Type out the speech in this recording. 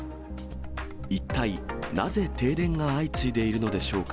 一体なぜ停電が相次いでいるのでしょうか。